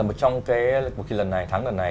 một trong cái lần này thắng lần này